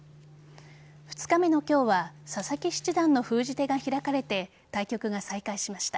２日目の今日は佐々木七段の封じ手が開かれて対局が再開しました。